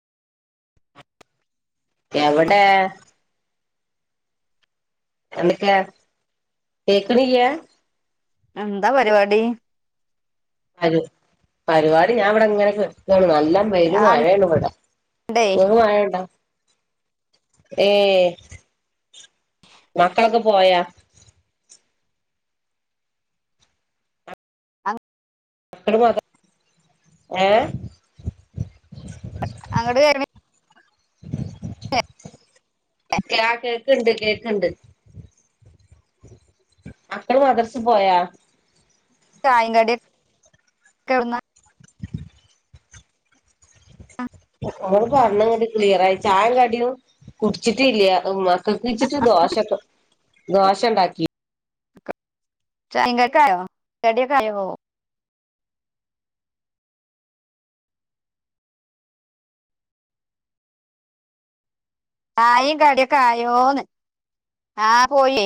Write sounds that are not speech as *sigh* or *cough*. എവടേ എന്തൊക്കെ കേക്ക്ണില്ല്യാ എന്താ പരിപാടി പരു പരുവാടി ഞാൻ ഇവിടെ ഇങ്ങനെ കെട്ക്കാണ്ന്നാല് ല്ലം പെരും ആ മഴേണ് വടെ ഇണ്ടേ നിങ്ങക്ക് മഴണ്ടാ ഏ മക്കളൊക്കെ പോയാ മക്കള് പൊറ ഏ അങ്ങട് *unintelligible* യാ കേക്ക്ണ്ട് കേക്ക്ണ്ട് മക്കള് മദ്രസ് പോയാ ചായിം കടിം ക്കെ ഒട്ന്നാ ഓള് പറഞ്ഞതൊന്നും ക്ലിയറായി ചായും കടിയും കുടിച്ചിട്ടില്ല്യാ ഉമ്മാ *unintelligible* ദോശൊക്കെ ദോശണ്ടാക്കി ക ചായേങ്കക്കായോ കടി ഒക്കായോ ചായിം കടിഒക്കെ ആയോന്ന് ആ പോയി